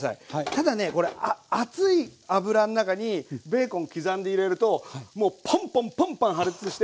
ただねこれ熱い油の中にベーコン刻んで入れるともうポンポンポンポン破裂して。